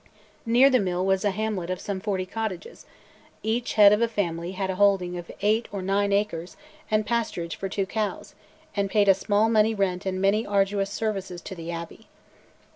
Near the mill was a hamlet of some forty cottages; each head of a family had a holding of eight or nine acres and pasturage for two cows, and paid a small money rent and many arduous services to the Abbey.